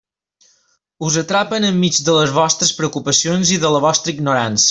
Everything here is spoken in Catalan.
Us atrapen enmig de les vostres preocupacions i de la vostra ignorància.